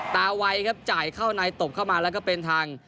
ไวครับจ่ายเข้าในตบเข้ามาแล้วก็เป็นทาง